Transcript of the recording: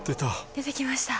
出てきました！